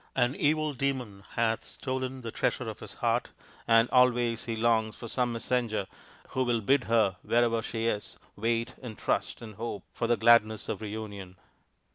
An evil demon hath stolen the treasure of his heart, and always he longs for some messenger who will bid her, wherever she is, wait and trust and hope for the gladness of reunion."